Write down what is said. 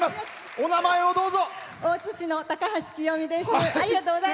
お名前をどうぞ！